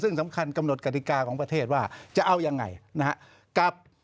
ซึ่งสำคัญกำหนดกฎิกาของประเทศว่าจะเอายังไงนะครับ